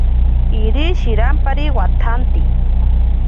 Iri shirampari watsanti.